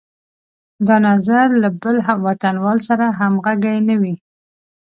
دا نظر له بل وطنوال سره همغږی نه وي.